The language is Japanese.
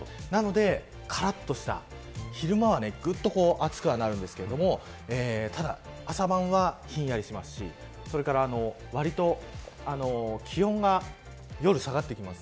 なので、からっとした昼間はぐっと暑くはなるんですけどただ、朝晩はひんやりしますしそれから、わりと気温が夜、下がってきます。